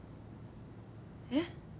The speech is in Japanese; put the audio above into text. えっ？